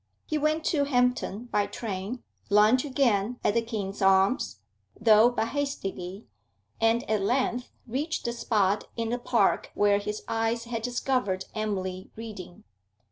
He went to Hampton by train, lunched again at the King's Arms, though but hastily, and at length reached the spot in the park where his eyes had discovered Emily reading.